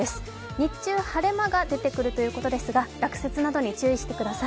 日中晴れ間が出てくるということですが、落雪などに注意してください。